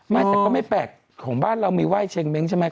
ไม่แต่ก็ไม่แปลกของบ้านเรามีไห้เชงเม้งใช่ไหม